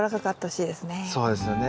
そうですよね。